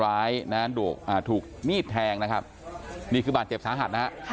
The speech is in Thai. ร้ายนะฮะถูกมีดแทงนะครับนี่คือบาดเจ็บสาหัสนะฮะ